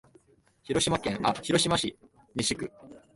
広島市西区